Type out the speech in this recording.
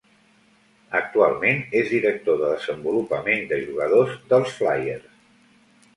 Actualment és director de desenvolupament de jugadors dels Flyers.